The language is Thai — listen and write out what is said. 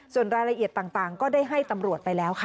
ส่วนรายละเอียดต่างก็ได้ให้ตำรวจไปแล้วค่ะ